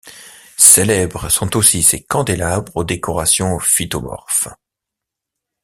Célèbres, sont aussi, ses candélabres aux décorations phytomorphes.